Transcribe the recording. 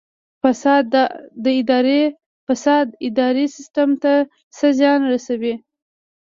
فساد اداري سیستم ته څه زیان رسوي؟